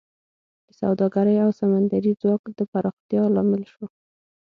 د سوداګرۍ او سمندري ځواک د پراختیا لامل شو